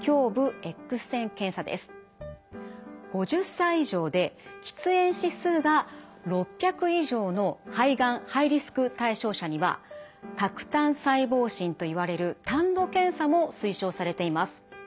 ５０歳以上で喫煙指数が６００以上の肺がんハイリスク対象者には喀痰細胞診といわれるたんの検査も推奨されています。